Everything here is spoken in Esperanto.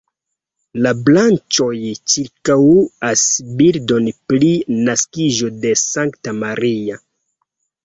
La branĉoj ĉirkaŭas bildon pri naskiĝo de Sankta Maria.